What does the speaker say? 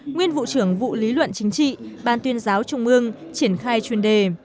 nguyên vụ trưởng vụ lý luận chính trị ban tuyên giáo trung ương triển khai chuyên đề